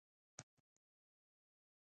بوریس برید د تورې په ذریعه وتاوه.